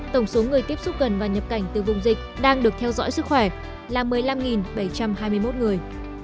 tổng số người tiếp xúc gần và nhập cảnh từ vùng dịch đang được theo dõi sức khỏe là một mươi năm bảy trăm hai mươi một người